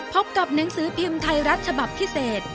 พบกับหนังสือพิมพ์ไทยรัฐฉบับพิเศษ